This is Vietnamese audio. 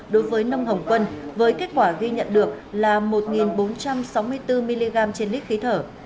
đối với nông hồng quân với kết quả ghi nhận được là một bốn trăm sáu mươi bốn mg trên lít khí thở